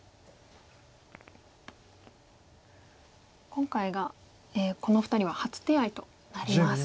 今回がこのお二人は初手合となります。